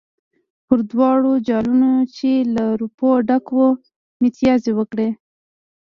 پر دواړو جوالونو چې له روپو ډک وو متیازې وکړې.